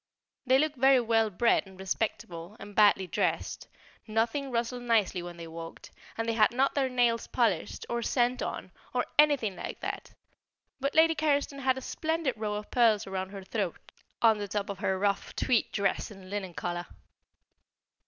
They look very well bred and respectable, and badly dressed; nothing rustled nicely when they walked, and they had not their nails polished, or scent on, or anything like that; but Lady Carriston had a splendid row of pearls round her throat, on the top of her rough tweed dress and linen collar.